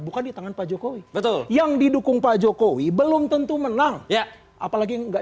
bukan di tangan pak jokowi betul yang didukung pak jokowi belum tentu menang ya apalagi enggak